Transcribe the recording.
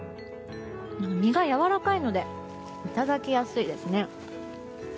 実がやわらかいのでいただきやすいですね。